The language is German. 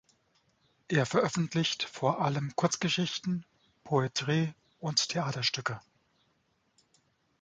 Er veröffentlicht vor allem Kurzgeschichten, Poetry und Theaterstücke.